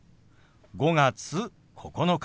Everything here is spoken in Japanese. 「５月９日」。